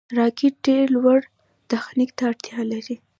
راکټ ډېر لوړ تخنیک ته اړتیا لري